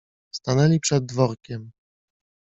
Stanęli przed dworkiem.